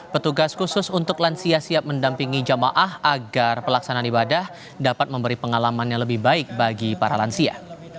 petugas khusus untuk lansia siap mendampingi jamaah agar pelaksanaan ibadah dapat memberi pengalaman yang lebih baik bagi para lansia